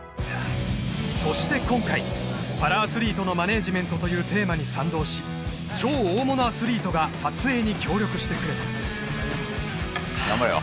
そして今回パラアスリートのマネージメントというテーマに賛同し超大物アスリートが撮影に協力してくれた頑張れよ